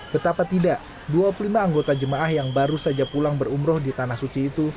betapa tidak dua puluh lima anggota jemaah yang baru saja pulang berumroh di tanah suci itu